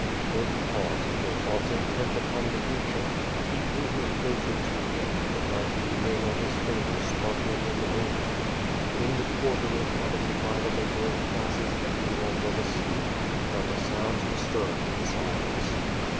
Both paused, their thoughts intent upon the future. He drew her closer to him, the knightly ring on his finger spark ling in the moonlight. In the quarter inhal.ited by the kbor ing classes every one was asleep. Not a sound disturbed the silence.